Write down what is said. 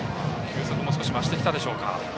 球速も少し増してきたでしょうか。